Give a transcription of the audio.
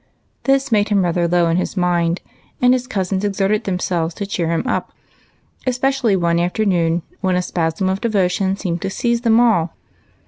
This made him rather low in his mind, and his cousins exerted themselves to cheer him up, especially one afternoon when a spasm of devotion seemed to seize them all.